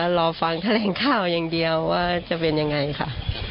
รอฟังแถลงข่าวอย่างเดียวว่าจะเป็นยังไงค่ะ